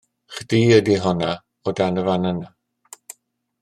Chdi ydi honna o dan y fan yna